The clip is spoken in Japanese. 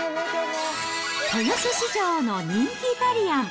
豊洲市場の人気イタリアン。